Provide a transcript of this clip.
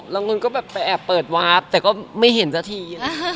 แล้วเงินก็แบบไปแอบเปิดวาร์ฟแต่ก็ไม่เห็นสักที